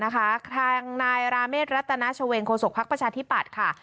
กันก่อนอะนะคะ